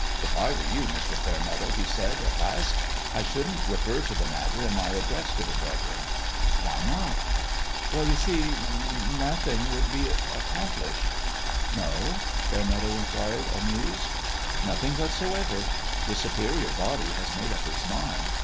"If I were you, Mr. Fairmeadow," he said, at last, " I shouldn't refer to the matter in my address to the brethren." "Why not?" " Well, you see, nothing would be accom plished." IN HIS OWN BEHALF 335 " No ?" Fairmeadow inquired, amused. " Nothing whatsoever. The Superior Body has made up its mind.